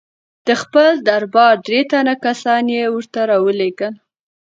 د خپل دربار درې تنه کسان یې ورته را ولېږل.